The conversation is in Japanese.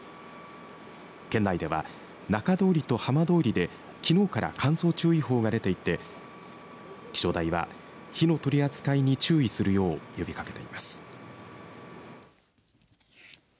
県内では中通りと浜通りできのうから乾燥注意報が出ていて気象台は、火の取り扱いに注意するよう呼びかけでいます。